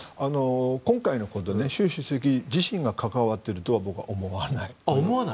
今回のこと習主席自身が関わっているとは僕は思わない。